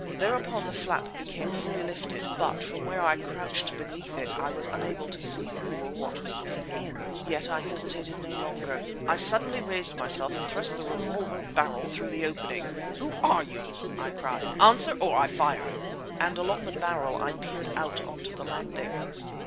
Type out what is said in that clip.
Thereupon the flap became fully lifted, but from where I crouched beneath it I was unable to see who or what was looking in; yet I hesitated no longer. I suddenly raised myself and thrust the revolver barrel through the opening! "Who are you?" I cried. "Answer or I fire!"—and along the barrel I peered out on to the landing.